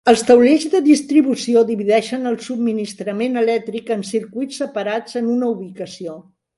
Els taulells de distribució divideixen el subministrament elèctric en circuits separats en una ubicació.